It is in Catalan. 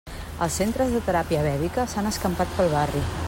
Els centres de teràpia vèdica s'han escampat pel barri.